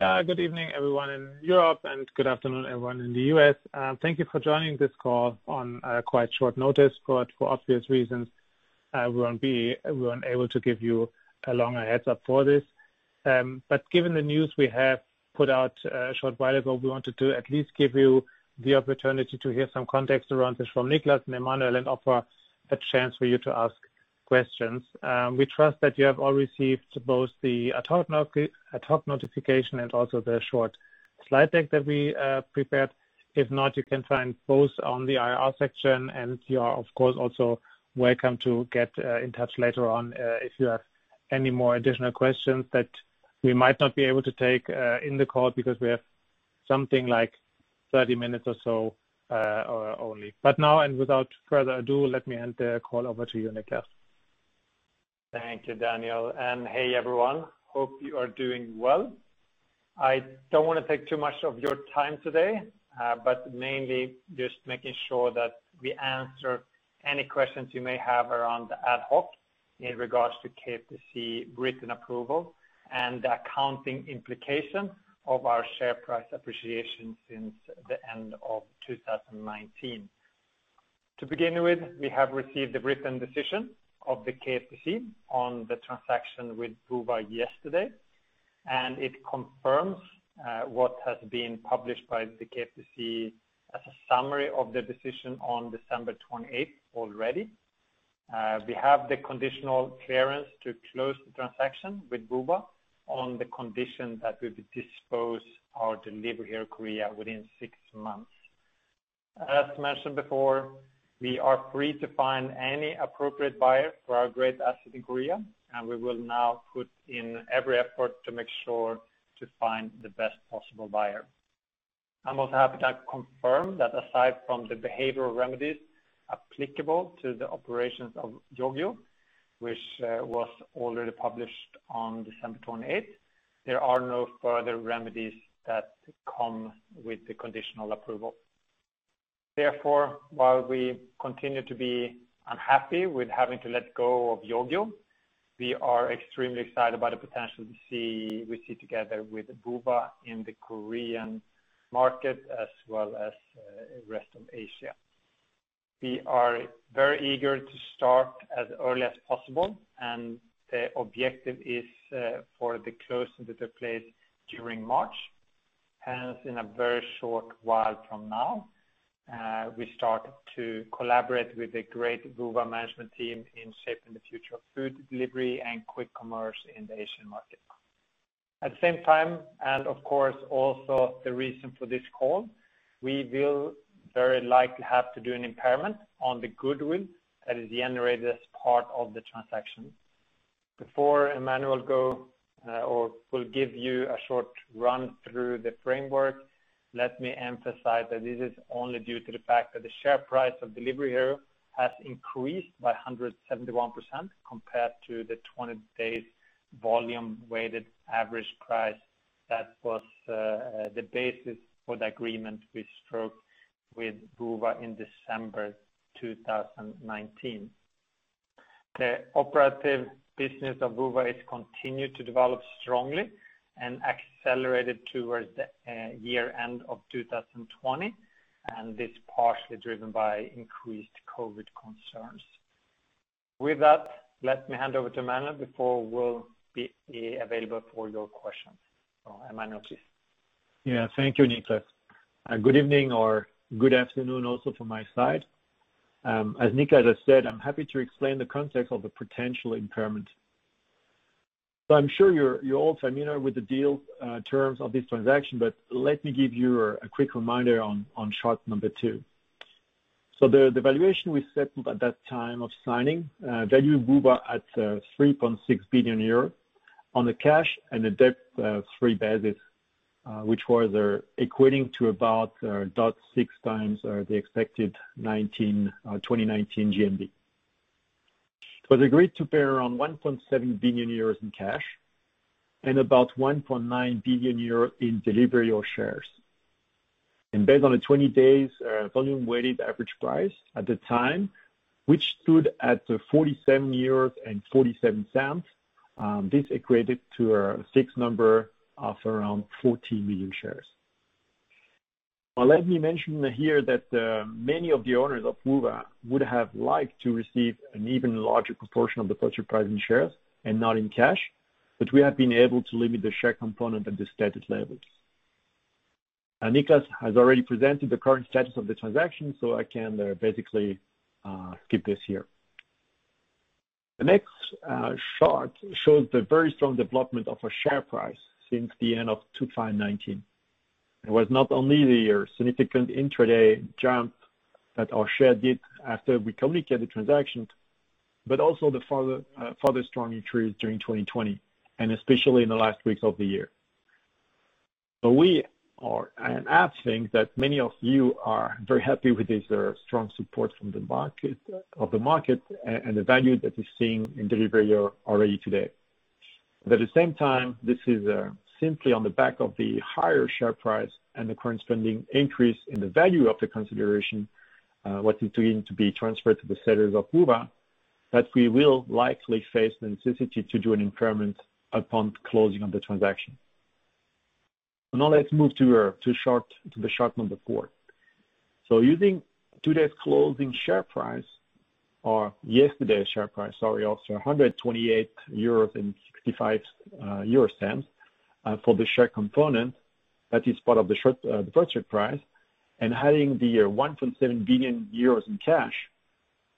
Good evening everyone in Europe and good afternoon everyone in the U.S. Thank you for joining this call on quite short notice, for obvious reasons, we weren't able to give you a longer heads up for this. Given the news we have put out a short while ago, we wanted to at least give you the opportunity to hear some context around this from Niklas and Emmanuel and offer a chance for you to ask questions. We trust that you have all received both the ad hoc notification and also the short slide deck that we prepared. If not, you can find both on the IR section and you are, of course, also welcome to get in touch later on if you have any more additional questions that we might not be able to take in the call because we have something like 30 minutes or so only. Now, and without further ado, let me hand the call over to you, Niklas. Thank you, Daniel. Hey, everyone. Hope you are doing well. I don't want to take too much of your time today, but mainly just making sure that we answer any questions you may have around the ad hoc in regards to KFTC written approval and the accounting implication of our share price appreciation since the end of 2019. To begin with, we have received the written decision of the KFTC on the transaction with Woowa yesterday, and it confirms what has been published by the KFTC as a summary of the decision on December 28th already. We have the conditional clearance to close the transaction with Woowa on the condition that we dispose our Delivery Hero Korea within six months. As mentioned before, we are free to find any appropriate buyer for our great asset in Korea, and we will now put in every effort to make sure to find the best possible buyer. I'm also happy to confirm that aside from the behavioral remedies applicable to the operations of Yogiyo, which was already published on December 28th, there are no further remedies that come with the conditional approval. Therefore, while we continue to be unhappy with having to let go of Yogiyo, we are extremely excited about the potential we see together with Woowa in the Korean market as well as rest of Asia. We are very eager to start as early as possible, and the objective is for the close to take place during March. Hence, in a very short while from now, we start to collaborate with the great Woowa management team in shaping the future of food delivery and quick commerce in the Asian market. At the same time, and of course, also the reason for this call, we will very likely have to do an impairment on the goodwill that is generated as part of the transaction. Before Emmanuel will give you a short run through the framework, let me emphasize that this is only due to the fact that the share price of Delivery Hero has increased by 171% compared to the 20-day volume weighted average price that was the basis for the agreement we struck with Woowa in December 2019. The operative business of Woowa is continued to develop strongly and accelerated towards the year end of 2020, and this partially driven by increased COVID concerns. With that, let me hand over to Emmanuel before we'll be available for your questions. Emmanuel, please. Yeah. Thank you, Niklas. Good evening or good afternoon also from my side. As Niklas has said, I'm happy to explain the context of the potential impairment. I'm sure you're all familiar with the deal terms of this transaction, but let me give you a quick reminder on chart number 2. The valuation we set up at that time of signing valued Woowa at 3.6 billion euros on the cash and the debt-free basis, which was equating to about 6 times the expected 2019 GMV. It was agreed to pay around 1.7 billion euros in cash and about 1.9 billion euros in Delivery Hero shares. Based on the 20 days volume weighted average price at the time, which stood at 47.47 euros, this equated to a fixed number of around 40 million shares. Now, let me mention here that many of the owners of Woowa would have liked to receive an even larger proportion of the purchase price in shares and not in cash, but we have been able to limit the share component at the stated levels. Niklas has already presented the current status of the transaction, so I can basically skip this here. The next chart shows the very strong development of our share price since the end of 2019. It was not only the significant intraday jump that our share did after we communicated the transaction, but also the further strong increase during 2020, and especially in the last weeks of the year. We are, and I think that many of you are very happy with this strong support of the market and the value that we're seeing in Delivery Hero already today. At the same time, this is simply on the back of the higher share price and the corresponding increase in the value of the consideration, what is going to be transferred to the sellers of Woowa. That we will likely face the necessity to do an impairment upon closing of the transaction. Let's move to the chart number 4. Using today's closing share price or yesterday's share price, sorry, of 128.65 euro for the share component that is part of the purchase price and adding the 1.7 billion euros in cash,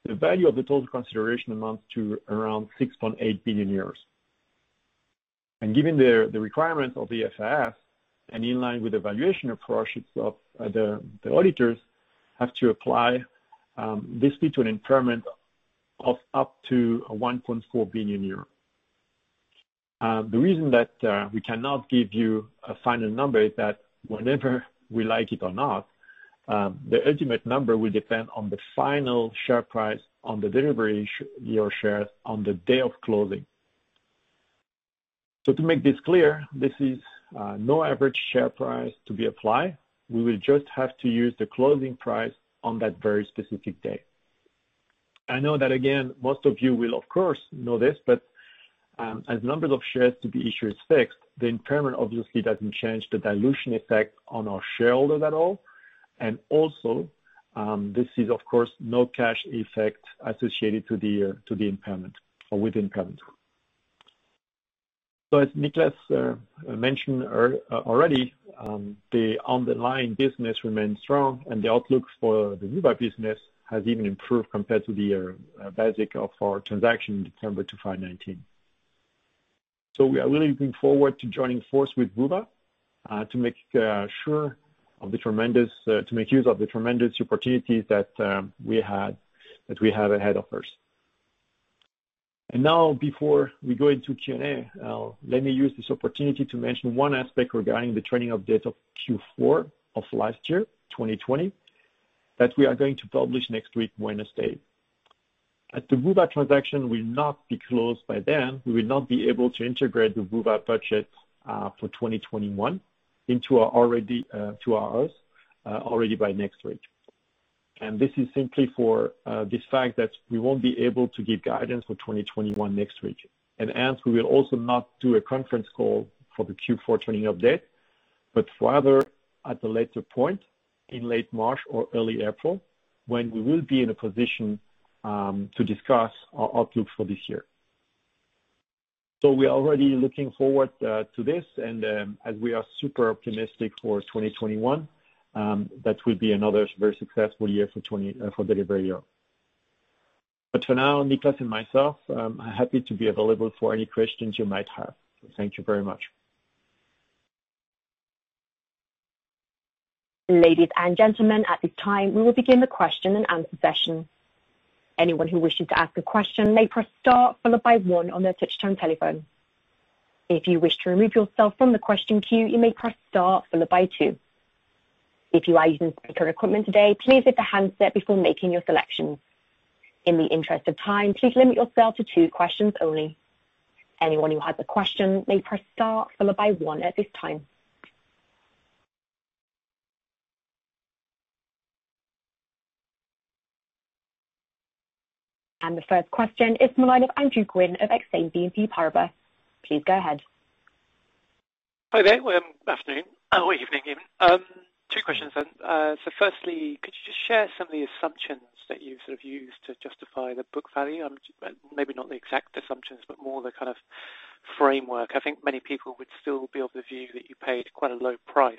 the value of the total consideration amounts to around 6.8 billion euros. Given the requirements of the IFRS and in line with the valuation approach of the auditors have to apply this to an impairment of up to 1.4 billion euros. The reason that we cannot give you a final number is that whenever we like it or not, the ultimate number will depend on the final share price on the Delivery Hero shares on the day of closing. To make this clear, this is no average share price to be applied. We will just have to use the closing price on that very specific day. I know that again, most of you will, of course, know this, as numbers of shares to be issued is fixed, the impairment obviously doesn't change the dilution effect on our shareholders at all. This is of course, no cash effect associated to the impairment or with impairment. As Niklas mentioned already, the underlying business remains strong and the outlook for the WOOWA business has even improved compared to the basis of our transaction in December 2019. We are really looking forward to joining forces with Woowa to make use of the tremendous opportunities that we have ahead of us. Now, before we go into Q&A, let me use this opportunity to mention one aspect regarding the trading updates of Q4 of last year, 2020, that we are going to publish next week, Wednesday. As the Woowa transaction will not be closed by then, we will not be able to integrate the Woowa budget for 2021 into ours already by next week. This is simply for the fact that we won't be able to give guidance for 2021 next week. Hence, we will also not do a conference call for the Q4 training update, but rather at a later point in late March or early April, when we will be in a position to discuss our outlook for this year. We're already looking forward to this, and as we are super optimistic for 2021, that will be another very successful year for Delivery Hero. For now, Niklas and myself are happy to be available for any questions you might have. Thank you very much. The first question is the line of Andrew Gwynn of Exane BNP Paribas. Please go ahead. Hi there. Afternoon or evening even. Two questions. Firstly, could you just share some of the assumptions that you've sort of used to justify the book value? Maybe not the exact assumptions, but more the kind of framework. I think many people would still be of the view that you paid quite a low price.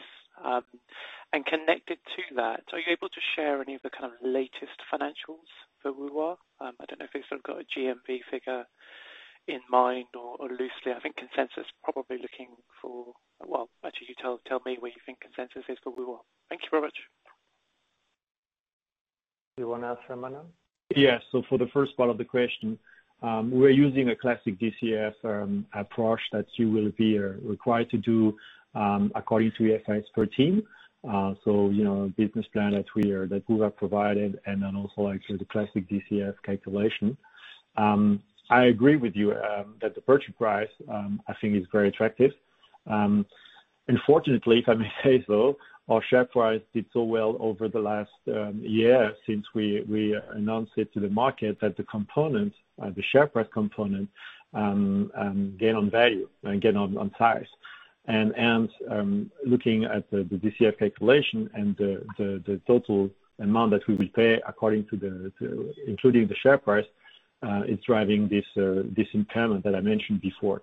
Connected to that, are you able to share any of the kind of latest financials for Woowa? I don't know if you've sort of got a GMV figure in mind or loosely, I think consensus probably looking for Well, actually, you tell me where you think consensus is for Woowa. Thank you very much. You want to answer, Emmanuel? Yes. For the first part of the question, we're using a classic DCF approach that you will be required to do, according to IFRS 14. Business plan that Woowa provided, and then also actually the classic DCF calculation. I agree with you that the purchase price, I think, is very attractive. Unfortunately, if I may say so, our share price did so well over the last year since we announced it to the market that the share price component gain on value and gain on size. Looking at the DCF calculation and the total amount that we will pay including the share price, is driving this impairment that I mentioned before.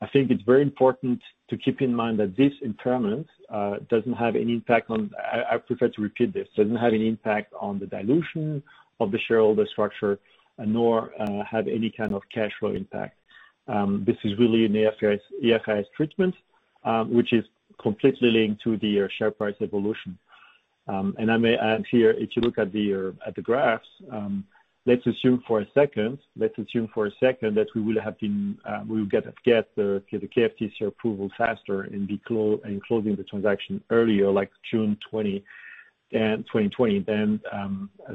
I think it's very important to keep in mind that this impairment doesn't have any impact on, I prefer to repeat this, doesn't have any impact on the dilution of the shareholder structure, nor have any kind of cash flow impact. This is really an IFRS treatment, which is completely linked to the share price evolution. I may add here, if you look at the graphs, let's assume for a second that we will get the KFTC approval faster and closing the transaction earlier, like June 2020, then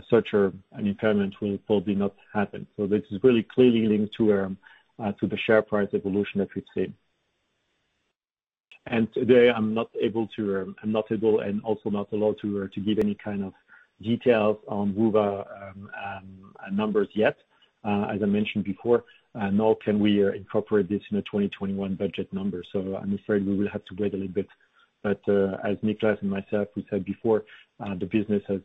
such an impairment will probably not happen. This is really clearly linked to the share price evolution that we've seen. Today, I'm not able and also not allowed to give any kind of details on Woowa numbers yet, as I mentioned before, nor can we incorporate this in the 2021 budget number. I'm afraid we will have to wait a little bit. As Niklas and myself, we said before, the business has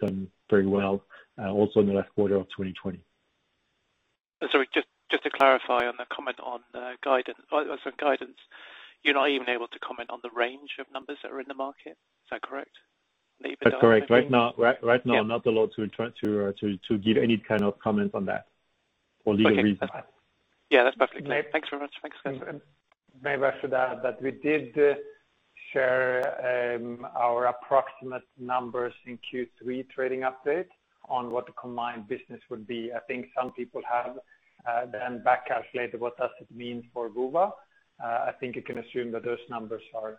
done very well, also in the last quarter of 2020. Sorry, just to clarify on the comment on the guidance. You're not even able to comment on the range of numbers that are in the market? Is that correct? That's correct. Right now, I'm not allowed to give any kind of comment on that for legal reasons. Okay. Yeah, that's perfect. Thanks very much. May I also add that we did share our approximate numbers in Q3 trading update on what the combined business would be. I think some people have then back calculated what does it mean for Woowa. I think you can assume that those numbers are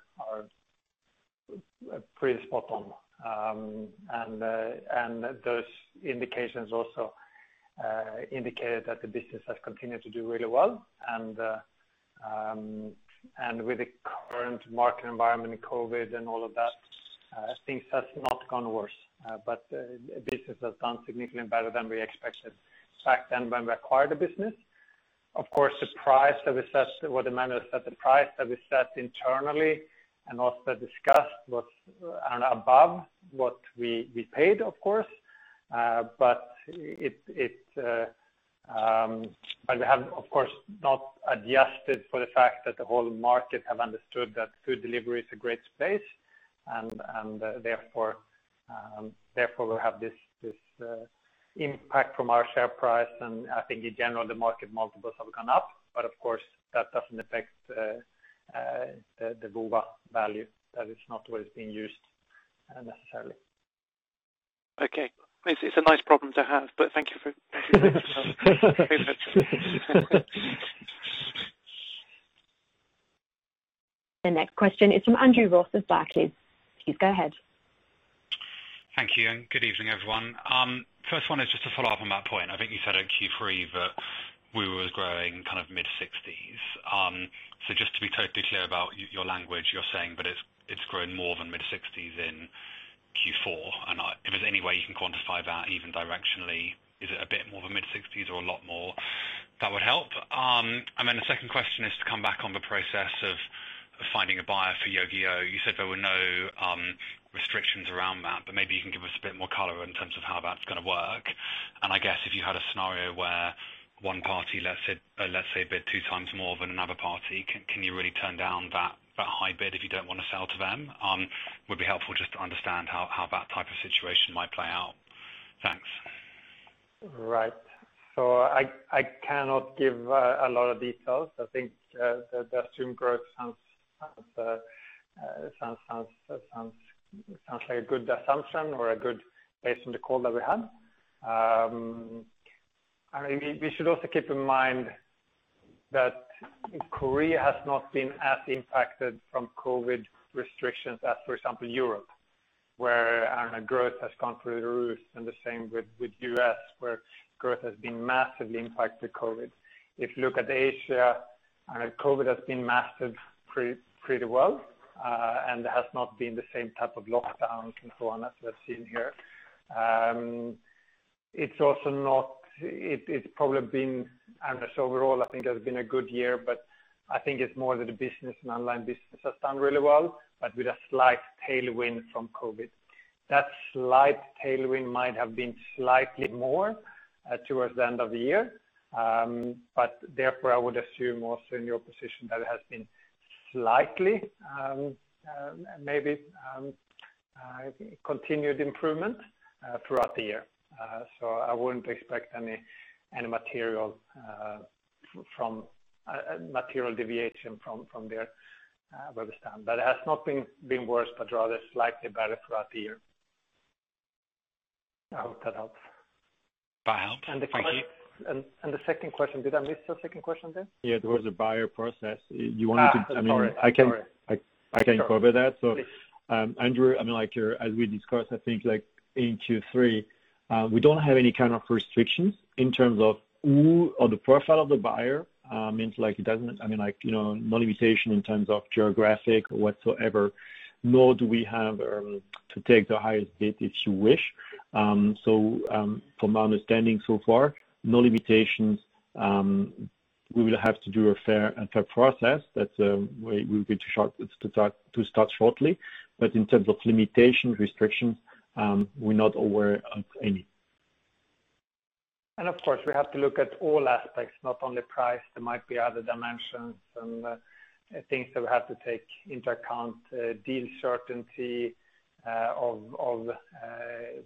pretty spot on. Those indications also indicated that the business has continued to do really well. With the current market environment in COVID and all of that, things has not gone worse. Business has done significantly better than we expected back then when we acquired the business. Of course, the price that we set, what Emmanuel set the price that we set internally and also discussed was above what we paid, of course. We have, of course, not adjusted for the fact that the whole market have understood that food delivery is a great space, and therefore we have this impact from our share price. I think in general, the market multiples have gone up. Of course, that doesn't affect the Woowa value. That is not what is being used necessarily. Okay. It's a nice problem to have, but thank you for The next question is from Andrew Ross of Barclays. Please go ahead. Thank you, good evening, everyone. First one is just to follow up on that point. I think you said in Q3 that Woowa was growing mid-60s. Just to be totally clear about your language, you're saying it's grown more than mid-60s in Q4. If there's any way you can quantify that even directionally, is it a bit more of a mid-60s or a lot more? That would help. The second question is to come back on the process of finding a buyer for Yogiyo. You said there were no restrictions around that, maybe you can give us a bit more color in terms of how that's going to work. I guess if you had a scenario where one party, let's say, bid two times more than another party, can you really turn down that high bid if you don't want to sell to them? Would be helpful just to understand how that type of situation might play out. Thanks. Right. I cannot give a lot of details. I think the assumed growth sounds like a good assumption or good based on the call that we had. We should also keep in mind that Korea has not been as impacted from COVID restrictions as, for example, Europe, where growth has gone through the roof, and the same with U.S., where growth has been massively impacted with COVID. If you look at Asia, COVID has been mastered pretty well, and there has not been the same type of lockdowns and so on as we've seen here. It's probably been, I don't know, overall, I think it has been a good year, but I think it's more that the business and online business has done really well, but with a slight tailwind from COVID. That slight tailwind might have been slightly more towards the end of the year. Therefore, I would assume also in your position that it has been slightly, maybe continued improvement throughout the year. I wouldn't expect any material deviation from there where we stand. It has not been worse, but rather slightly better throughout the year. I hope that helps. That helps. Thank you. The second question, did I miss the second question there? There was a buyer process. Sorry. I can cover that. Please. Andrew, as we discussed, I think in Q3, we don't have any kind of restrictions in terms of who or the profile of the buyer. It means like, no limitation in terms of geographic whatsoever, nor do we have to take the highest bid if we wish. From my understanding so far, no limitations. We will have to do a fair and set process that we will start shortly. In terms of limitations, restrictions, we're not aware of any. Of course, we have to look at all aspects, not only price. There might be other dimensions and things that we have to take into account, deal certainty of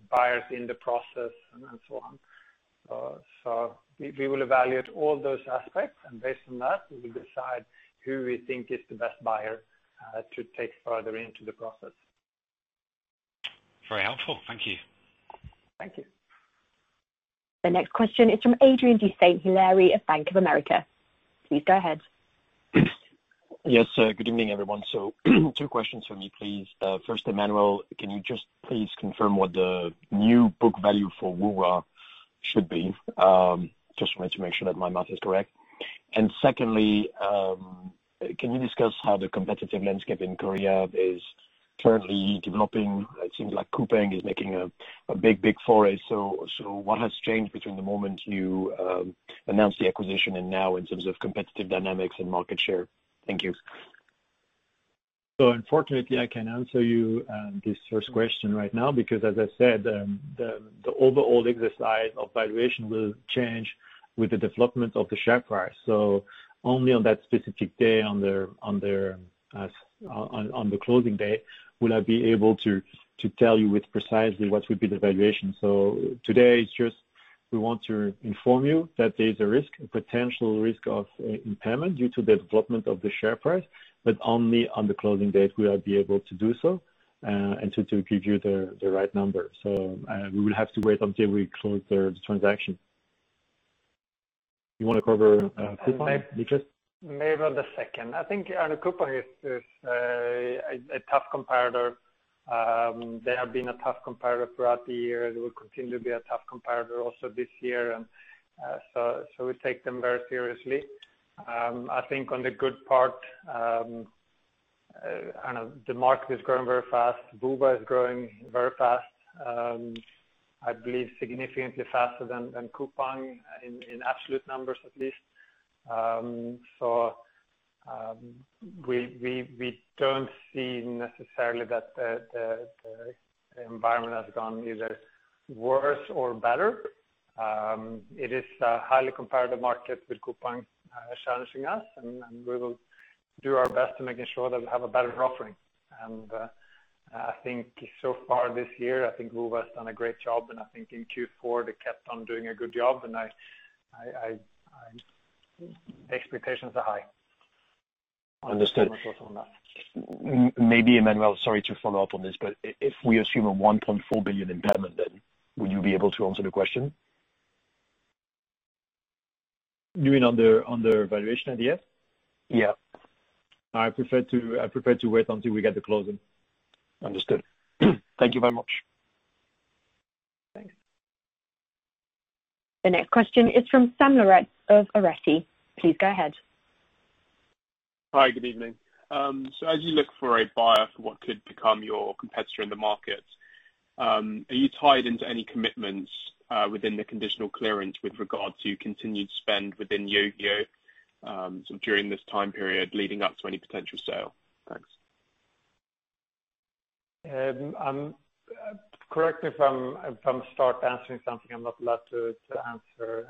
buyers in the process and so on. We will evaluate all those aspects, and based on that, we will decide who we think is the best buyer to take further into the process. Very helpful. Thank you. Thank you. The next question is from Adrien de Saint Hilaire of Bank of America. Please go ahead. Yes. Good evening, everyone. Two questions from me, please. First, Emmanuel, can you just please confirm what the new book value for Woowa should be. Just wanted to make sure that my math is correct. Secondly, can you discuss how the competitive landscape in Korea is currently developing? It seems like Coupang is making a big foray. What has changed between the moment you announced the acquisition and now in terms of competitive dynamics and market share? Thank you. Unfortunately, I can answer you this first question right now because as I said, the overall exercise of valuation will change with the development of the share price. Only on that specific day, on the closing date, will I be able to tell you with precisely what would be the valuation. Today it's just, we want to inform you that there's a risk, a potential risk of impairment due to the development of the share price, but only on the closing date will I be able to do so, and to give you the right number. We will have to wait until we close the transaction. You want to cover Coupang, Niklas? Maybe on the second. I think on Coupang, it's a tough comparator. They have been a tough comparator throughout the year and will continue to be a tough comparator also this year. We take them very seriously. I think on the good part, the market is growing very fast. Woowa is growing very fast, I believe significantly faster than Coupang in absolute numbers at least. We don't see necessarily that the environment has gone either worse or better. It is a highly comparative market with Coupang challenging us, and we will do our best to making sure that we have a better offering. I think so far this year, I think Woowa has done a great job, and I think in Q4 they kept on doing a good job, and expectations are high. Understood. That's all on that. Maybe Emmanuel, sorry to follow up on this, but if we assume a 1.4 billion impairment then, would you be able to answer the question? You mean on the valuation idea? Yeah. I prefer to wait until we get the closing. Understood. Thank you very much. Thanks. The next question is from Sam Lourensz of Arete. Please go ahead. Hi, good evening. As you look for a buyer for what could become your competitor in the market, are you tied into any commitments within the conditional clearance with regard to continued spend within Yogiyo, during this time period leading up to any potential sale? Thanks. Correct me if I start answering something I'm not allowed to answer,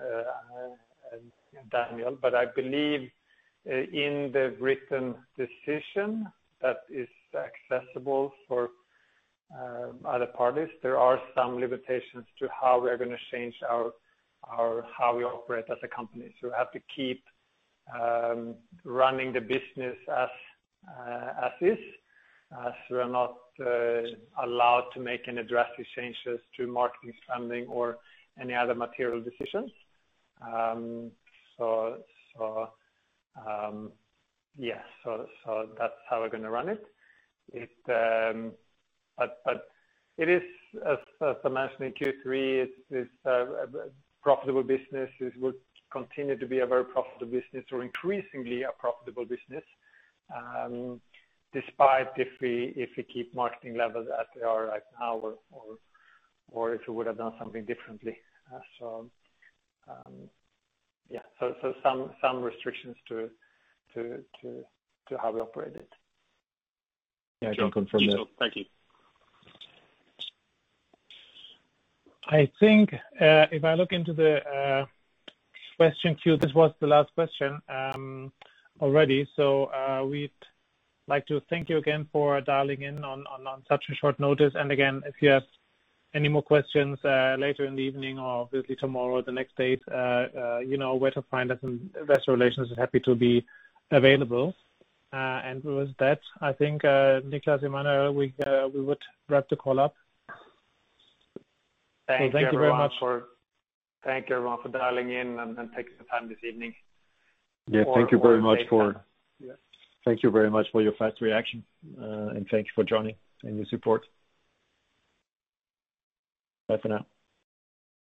Daniel, but I believe in the written decision that is accessible for other parties, there are some limitations to how we are going to change how we operate as a company. We have to keep running the business as is, so we are not allowed to make any drastic changes to marketing spending or any other material decisions. That's how we're going to run it. It is, as I mentioned in Q3, it's a profitable business. It would continue to be a very profitable business or increasingly a profitable business, despite if we keep marketing levels as they are right now or if we would have done something differently. Some restrictions to how we operate it. Yeah, I can confirm that. Thank you. I think, if I look into the question queue, this was the last question already. We'd like to thank you again for dialing in on such a short notice. Again, if you have any more questions later in the evening or obviously tomorrow or the next day, you know where to find us, and Investor Relations is happy to be available. With that, I think Niklas, Emmanuel, we would wrap the call up. Thank you very much. Thank you very much for. Thank you everyone for dialing in and taking the time this evening. Yeah, thank you very much for your fast reaction. Thank you for joining and your support. Bye for now.